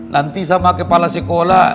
nanti sama kepala sekolah